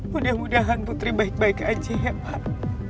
mudah mudahan putri baik baik aja ya pak